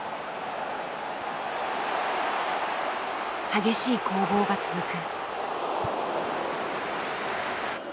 激しい攻防が続く。